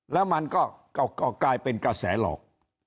แล้วมันก็กลายเป็นกระแสหลอก